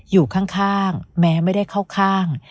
อยู่ข้างแม้ไม่ได้เข้าข้าง